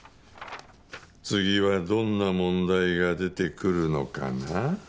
次はどんな問題が出てくるのかな？